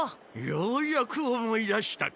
ようやく思い出したか。